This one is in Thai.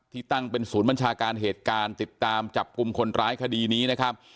ตั้งเป็นศูนย์บัญชาการเหตุการณ์ติดตามจับกลุ่มคนร้ายคดีนี้นะครับ